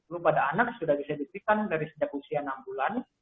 lu pada anak sudah bisa diberikan dari sejak usia enam bulan